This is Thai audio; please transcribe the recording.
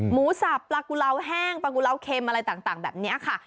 สับปลากุลาวแห้งปลากุลาวเค็มอะไรต่างแบบนี้ค่ะ